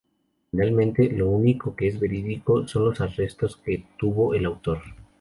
Finalmente, lo único que es verídico son los arrestos que tuvo el autor.